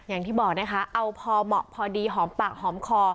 อย่างที่บอกนะคะเอาพอเหมาะพอดีหอมปากหอมคอ